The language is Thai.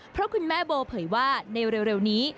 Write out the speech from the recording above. เพราะคุณแม่โบเผยว่าในเร็วนี้